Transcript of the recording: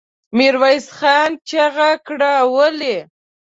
ميرويس خان چيغه کړه! ولې؟